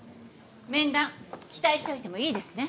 面談期待しておいてもいいですね？